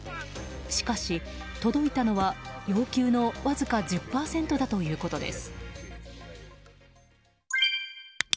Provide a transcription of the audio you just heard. しかし届いたのは、要求のわずか１０％だということです。